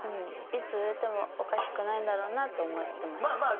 いつ売れてもおかしくないんだろうなって思ってました。